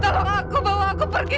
kalau aku bawa aku pergi